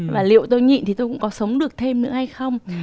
và liệu tôi nhịn thì tôi cũng có sống được thêm nữa hay không